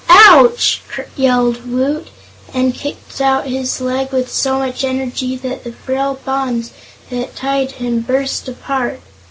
"Ouch!" yelled Woot, and kicked out his leg with so much energy that the frail bonds that tied him burst apart.